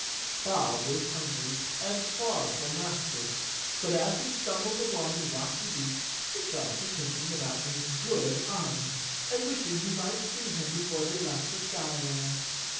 Bob was hungry and far from rested, but as he stumbled along the rocky beach he fell to thinking about this good Un and wishing he might see him be¬ fore they left the skyland.